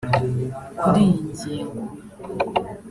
Kuri iyi ngingo